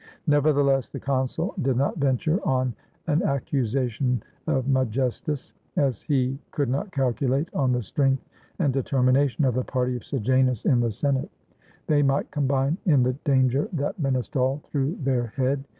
Nevertheless, the consul did not venture on an accu sation of majestas, as he could not calculate on the strength and determination of the party of Sejanus in 428 I 1 THE FALL OF SEJANUS the Senate. They might combine in the danger that menaced all, through their head.